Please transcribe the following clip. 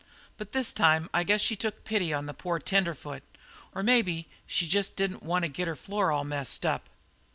But this time I guess she took pity on the poor tenderfoot, or maybe she jest didn't want to get her floor all messed up.